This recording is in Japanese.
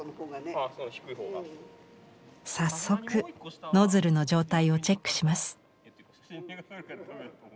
早速ノズルの状態をチェックします。